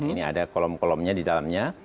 ini ada kolom kolomnya di dalamnya